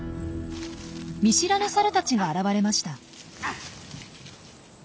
見知らぬサルたちが現れました。